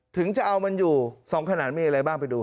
ถึงจะเอามันอยู่๒ขนาดมีอะไรบ้างไปดู